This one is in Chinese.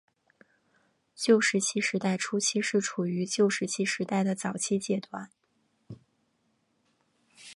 旧石器时代初期是处于旧石器时代的早期阶段。